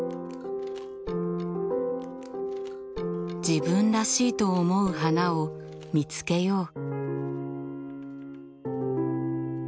自分らしいと思う花を見つけよう。